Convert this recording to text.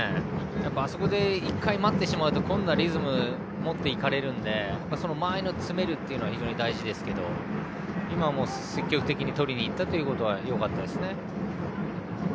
あそこで１回待ってしまうと今度はリズムを持っていかれるのでその間合いを詰めることは大事ですが今も、積極的にとりにいったのはよかったですね。